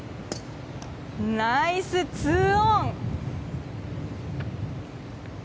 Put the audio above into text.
ナイス２オン！